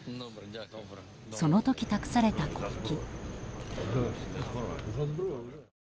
その時託された国旗。